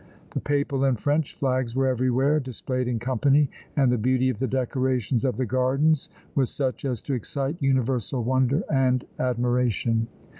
The Papal and French flags were everywhere displayed in company, and the beauty of the decorations of the gardens was such as to excite universal wonder and admiration.